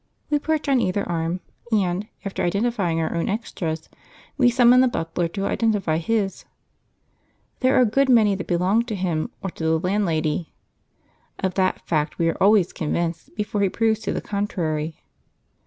We perch on either arm, and, after identifying our own extras, we summon the butler to identify his. There are a good many that belong to him or to the landlady; of that fact we are always convinced before he proves to the contrary.